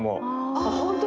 あっ本当だ。